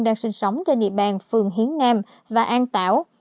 đang sinh sống trên địa bàn phường hiến nam và an tảo